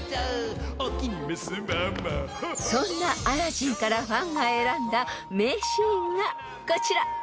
［そんな『アラジン』からファンが選んだ名シーンがこちら］